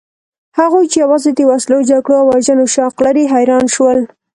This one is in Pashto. هغوی چې یوازې د وسلو، جګړو او وژنو شوق لري حیران شول.